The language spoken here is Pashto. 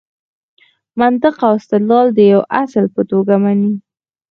منطق او استدلال د یوه اصل په توګه مني.